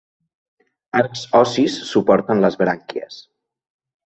Arcs ossis suporten les brànquies.